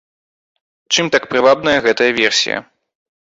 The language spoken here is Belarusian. Чым так прывабная гэтая версія?